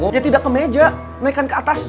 ya tidak ke meja naikkan ke atas